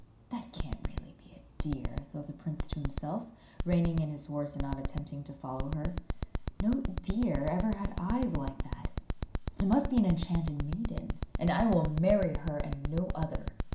'That can't really be a deer,' thought the prince to himself, reining in his horse and not attempting to follow her. 'No deer ever had eyes like that. It must be an enchanted maiden, and I will marry her and no other.